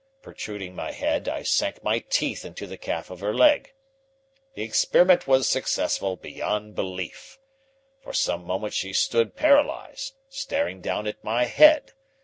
Protruding my head, I sank my teeth into the calf of her leg. The experiment was successful beyond belief. For some moments she stood paralyzed, staring down at my head.